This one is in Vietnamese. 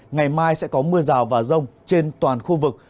ngày mai sẽ có mưa rào và rông trên toàn khu vực